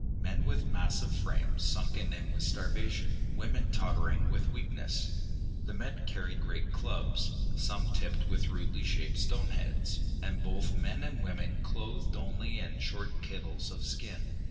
Men with massive frames, sunken in with starvation, women tottering with weakness. The men carried great clubs, some tipped with rudely shaped stone heads, and both men and women clothed only in short kittles of skin.